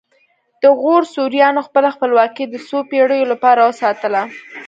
د غور سوریانو خپله خپلواکي د څو پیړیو لپاره وساتله